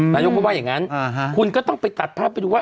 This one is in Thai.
นายกเขาว่าอย่างนั้นคุณก็ต้องไปตัดภาพไปดูว่า